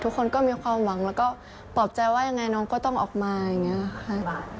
ทุกคนก็มีความหวังแล้วก็ปลอบใจว่ายังไงน้องก็ต้องออกมาอย่างนี้ค่ะ